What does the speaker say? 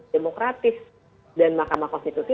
demokratis dan makam konstitusi